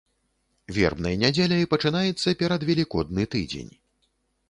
Вербнай нядзеляй пачынаецца перадвелікодны тыдзень.